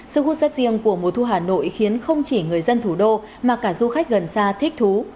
sức hút rất riêng của mùa thu hà nội khiến không chỉ người dân thủ đô mà cả du khách gần xa thích thú